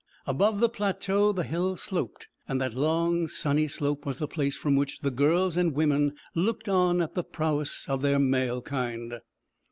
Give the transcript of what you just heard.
Above the plateau the hill sloped, and that long sunny slope was the place from which the girls and women looked on at the prowess of their male kind.